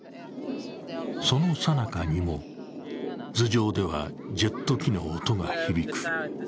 その最中にも、頭上ではジェット機の音が響く。